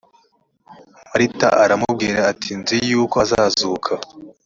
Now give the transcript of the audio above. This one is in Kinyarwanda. marita aramubwira ati nzi yuko azazuka